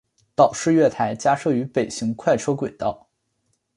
岛式月台加设于北行快车轨道。